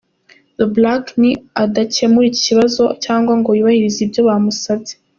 The Black ni adakemura iki kibazo cyangwa ngo yubahirize ibyo bamusabye,.